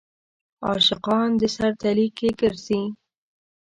عاشقان د سر تلي کې ګرځي.